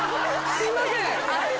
すいません